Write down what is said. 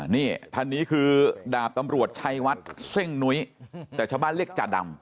นี่ท่านนี้คือดาบตำรวจชัยวัดเซ่งนุ้ยแต่ชาวบ้านเรียกจ่าดำ